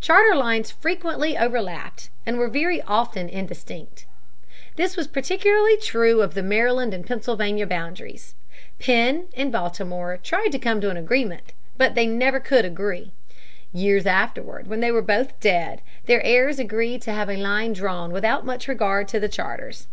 Charter lines frequently overlapped and were often very indistinct. This was particularly true of the Maryland and Pennsylvania boundaries. Penn and Baltimore tried to come to an agreement; but they never could agree. Years afterward, when they were both dead, their heirs agreed to have a line drawn without much regard to the charters.